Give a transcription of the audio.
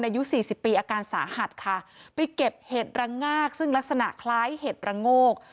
อายุสี่สิบปีอาการสาหัสค่ะไปเก็บเห็ดระงากซึ่งลักษณะคล้ายเห็ดระโงก